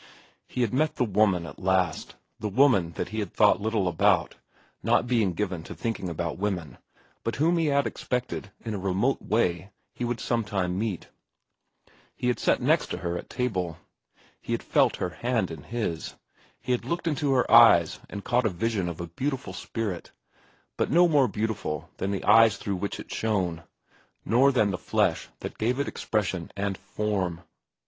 He had met the woman at last—the woman that he had thought little about, not being given to thinking about women, but whom he had expected, in a remote way, he would sometime meet. He had sat next to her at table. He had felt her hand in his, he had looked into her eyes and caught a vision of a beautiful spirit;—but no more beautiful than the eyes through which it shone, nor than the flesh that gave it expression and form.